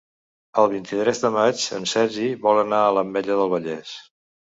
El vint-i-tres de maig en Sergi vol anar a l'Ametlla del Vallès.